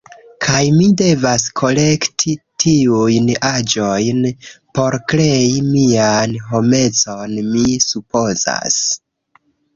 Kaj mi devas kolekti tiujn aĵojn por krei mian homecon, mi supozas.